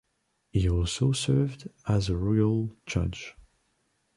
He also served as a royal judge.